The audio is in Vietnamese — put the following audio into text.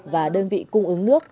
và đơn vị cung ứng nước